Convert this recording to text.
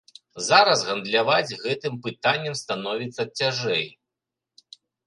Зараз гандляваць гэтым пытаннем становіцца цяжэй.